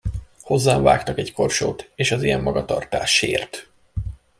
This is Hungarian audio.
Hozzám vágtak egy korsót, és az ilyen magatartás sért.